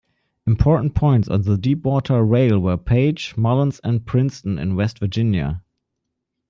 Important points on the Deepwater Railway were Page, Mullens and Princeton in West Virginia.